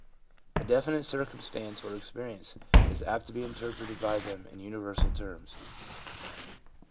A definite circumstance or experience is apt to be interpreted by them in universal terms.